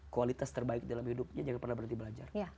kualitas terbaik dalam hidupnya jangan pernah berdibelakang